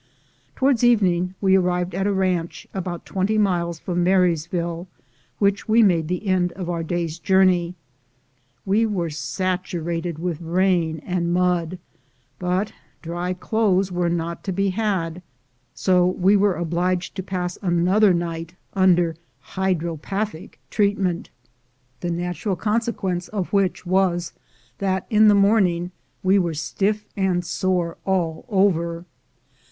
Towards evening we arrived at a ranch, about twenty miles from Marysville, which we made the end of our day's journey. We were saturated with rain and mud, but dry clothes were not to be had; so we were obliged to pass another night under hydropathic treatment, the natural consequence of 264 THE GOLD HUNTERS which was that in the morning we were stiff and sore all over.